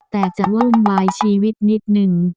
แต่จะวุ่นวายชีวิตนิดนึง